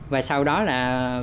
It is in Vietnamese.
và sau đó là